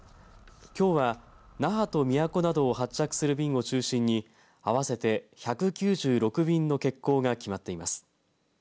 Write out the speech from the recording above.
きょうは那覇と宮古などを発着する便を中心に合わせて１９６便の欠航が決まっています。